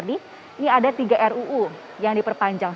ini ada tiga ruu yang diperpanjang